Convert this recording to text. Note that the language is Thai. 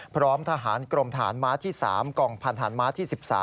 พร้อมทหารกรมฐานม้าที่๓กองพันธานม้าที่๑๓